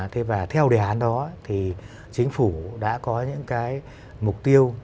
theo đề án đó chính phủ đã có những mục tiêu